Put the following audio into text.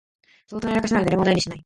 相当なやらかしなのに誰も話題にしない